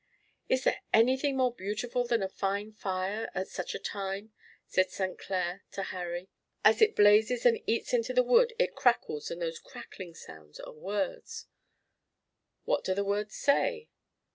"Is there anything more beautiful than a fine fire at such a time?" said St. Clair to Harry. "As it blazes and eats into the wood it crackles and those crackling sounds are words." "What do the words say?"